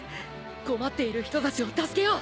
困っている人たちを助けよう！